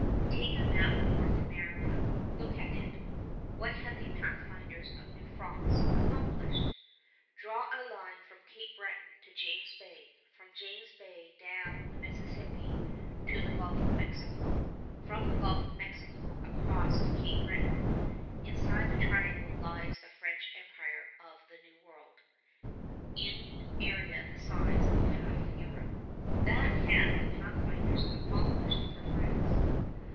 Take a map of North America. Look at it. What had the pathfinders of New France accomplished? Draw a line from Cape Breton to James Bay, from James Bay down the Mississippi to the Gulf of Mexico, from the Gulf of Mexico across to Cape Breton. Inside the triangle lies the French empire of the New World, in area the size of half Europe. That had the pathfinders accomplished for France.